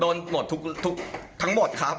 โดนหมดทั้งหมดครับ